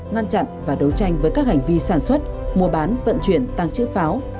ngăn chặn và đấu tranh với các hành vi sản xuất mua bán vận chuyển tăng trữ pháo